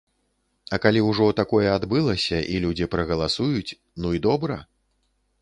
А калі ўжо такое адбылася і людзі прагаласуюць, ну і добра!